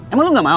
emang lu gak mau